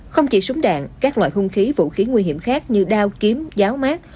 không chỉ súng đạn các loại hung khí vũ khí nguy hiểm khác như đao kiếm giáo mát